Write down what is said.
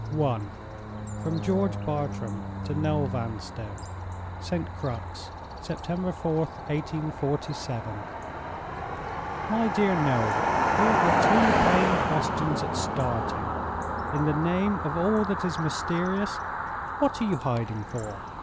I. From George Bartram to Noel Vanstone. "St. Crux, September 4th, 1847. "My dear Noel, "Here are two plain questions at starting. In the name of all that is mysterious, what are you hiding for?